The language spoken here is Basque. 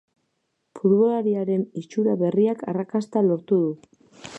Futbolariaren itxura berriak arrakasta lortu du.